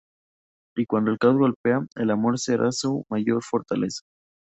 Y cuando el caos golpea, el amor será su mayor fortaleza.